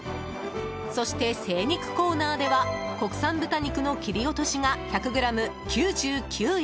そして精肉コーナーでは国産豚肉の切り落としが１００ｇ９９円！